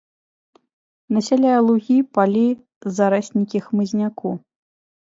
Насяляе лугі, палі, зараснікі хмызняку.